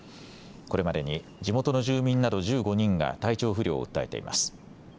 これまでに地元の住民など１５人が体調不良を訴えています。